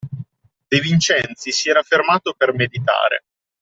De Vincenzi si era fermato per meditare.